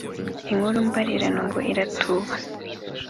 Inkuru mbarirano ngo iratuba